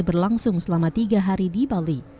berlangsung selama tiga hari di bali